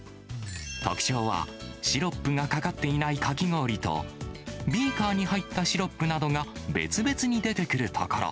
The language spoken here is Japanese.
特徴は、シロップがかかっていないかき氷と、ビーカーに入ったシロップなどが別々に出てくるところ。